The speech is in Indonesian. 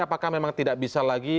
apakah memang tidak bisa lagi